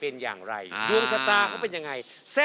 รอบดวงสมพงศ์